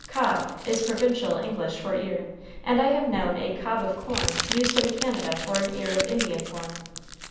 Cob is provincial English for ear, and I have known "a cob of corn" used in Canada for an ear of Indian corn.